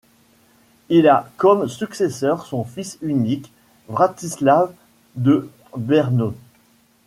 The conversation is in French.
Il a comme successeur son fils unique: Vratislav de Brno.